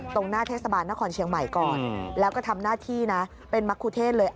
ตรงหน้าเทศบาลนครเชียงใหม่ก่อนแล้วก็ทำหน้าที่นะเป็นมะคุเทศเลย